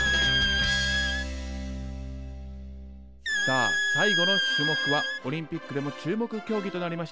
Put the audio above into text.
さあ最後の種目はオリンピックでも注目競技となりました